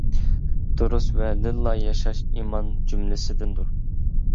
دۇرۇس ۋە لىللا ياشاش ئىمان جۈملىسىدىندۇر.